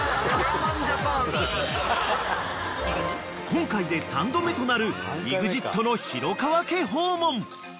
［今回で三度目となるＥＸＩＴの廣川家訪問］